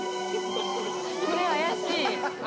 「これ怪しい！」